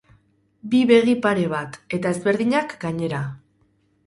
Bi begi-pare bat, eta ezberdinak, gainera.